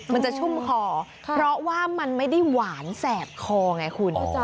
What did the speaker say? ชุ่มคอเพราะว่ามันไม่ได้หวานแสบคอไงคุณ